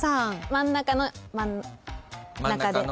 真ん中の真ん中で。